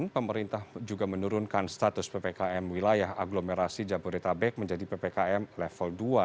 pemerintah juga menurunkan status ppkm wilayah agglomerasi jabodetabek menjadi ppkm level dua